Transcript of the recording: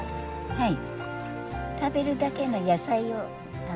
はい。